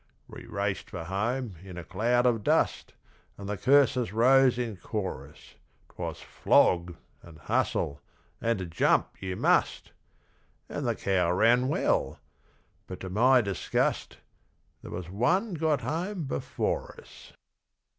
We raced for home in a cloud of dust And the curses rose in chorus. 'Twas flog, and hustle, and jump you must! And The Cow ran well but to my disgust There was one got home before us.